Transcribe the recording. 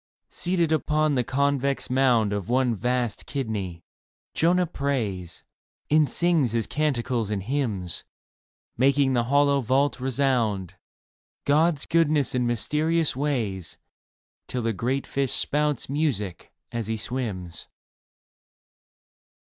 Seated upon the convex mound Of one vast kidney, Jonah prays And sings his canticles and hymns, Making the hollow vault resound God's goodness and mysterious ways. Till the great fish spouts music as he swims.